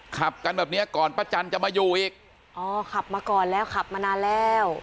ขับกันแบบเนี้ยก่อนป้าจันจะมาอยู่อีกอ๋อขับมาก่อนแล้วขับมานานแล้ว